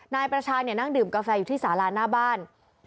นายประชานั่งดื่มกาแฟอยู่ที่สาราหน้าบ้าน